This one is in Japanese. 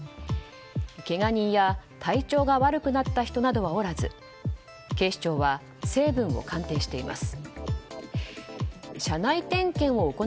けが人や体調が悪くなった人などはおらず警視庁は、成分を鑑定しています。